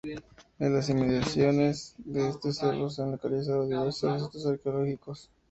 En las inmediaciones de este cerro se han localizado diversos restos arqueológicos.